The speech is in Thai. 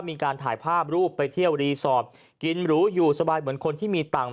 มีการถ่ายภาพรูปไปเที่ยวรีสอร์ทกินหรูอยู่สบายเหมือนคนที่มีตังค์